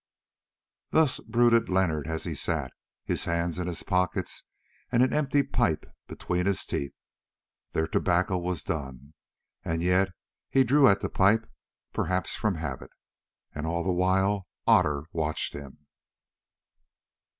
Thus brooded Leonard as he sat, his hands in his pockets and an empty pipe between his teeth. Their tobacco was done, and yet he drew at the pipe, perhaps from habit. And all the while Otter watched him.